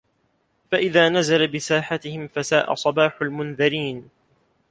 فَإِذا نَزَلَ بِساحَتِهِم فَساءَ صَباحُ المُنذَرينَ